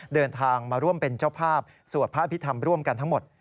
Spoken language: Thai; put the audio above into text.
เดินทางมาร่วมเป็นเจ้าภาพสวดพระอภิษฐรรมร่วมกันทั้งหมด